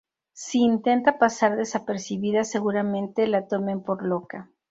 Si intenta pasar desapercibida, seguramente la tomen por loca.